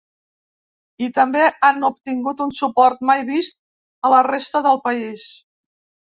I també han obtingut un suport mai vist a la resta del país.